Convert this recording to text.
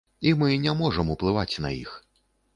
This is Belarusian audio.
І мы не можам уплываць на іх.